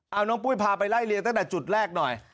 เอาน้องปุ้ยพาไปไล่เลี้ยตั้งแต่จุดแรกหน่อย